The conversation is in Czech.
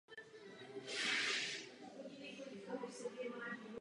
O rok později skončil pátý na světové letní univerziádě v Pekingu.